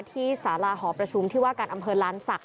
สาราหอประชุมที่ว่าการอำเภอลานศักดิ